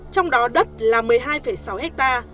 trong đó đất là một mươi hai sáu ha